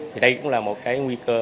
thì đây cũng là một cái nguy cơ